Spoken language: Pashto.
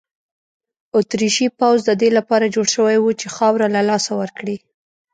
اتریشي پوځ د دې لپاره جوړ شوی وو چې خاوره له لاسه ورکړي.